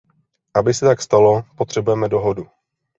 Aby se tak stalo, potřebujeme dohodu.